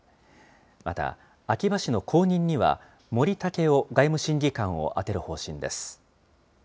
また、秋葉氏の後任には、森健良外務審議官を当てる方針です。